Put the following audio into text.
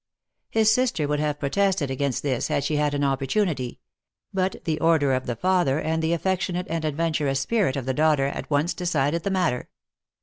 His sister would have protested against this had she had an opportunity ; but the order of the father, and the affectionate and adventurous spirit of the daughter, at once decided the matter.